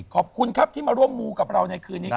ขอบคุณครับที่มาร่วมมูกับเราในคืนนี้ครับ